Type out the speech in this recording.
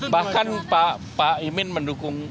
bahkan pak imin mendukung